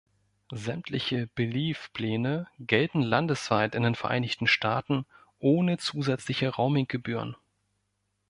Sämtliche Belief-Pläne gelten landesweit in den Vereinigten Staaten ohne zusätzliche Roaming-Gebühren.